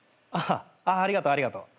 ああありがとうありがとう。